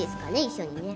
一緒にね